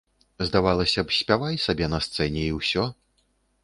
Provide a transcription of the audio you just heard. Здавалася б, спявай сабе на сцэне, і ўсё.